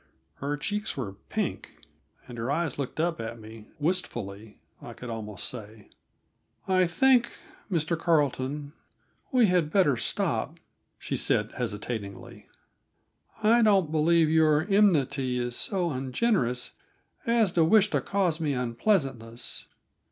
Her cheeks were pink, and her eyes looked up at me wistfully, I could almost say. "I think, Mr. Carleton, we had better stop," she said hesitatingly. "I don't believe your enmity is so ungenerous as to wish to cause me unpleasantness.